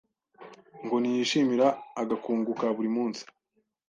ngo ntiyishimira agakungu ka buri munsi